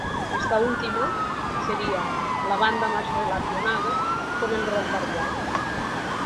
Esta última sería la banda más relacionada con el rock barrial.